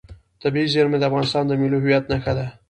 طبیعي زیرمې د افغانستان د ملي هویت نښه ده.